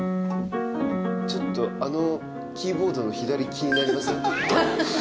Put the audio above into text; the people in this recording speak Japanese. ちょっとあのキーボードの左気になりません？